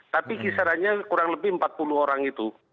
tapi kisarannya kurang lebih empat puluh orang itu